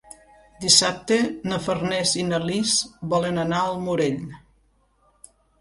Dissabte na Farners i na Lis volen anar al Morell.